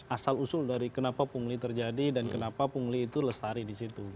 asal usul dari kenapa pungli terjadi dan kenapa pungli itu lestari di situ